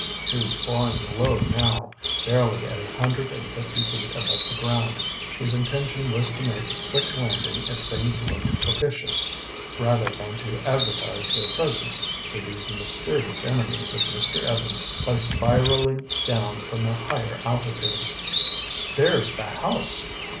He was flying low now, barely a hundred and fifty feet above the ground. His intention was to make a quick landing if things looked propitious, rather than to advertise their presence to these mysterious enemies of Mr. Evans by spiraling down from a higher altitude. "There's the house!"